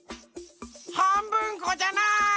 はんぶんこじゃない！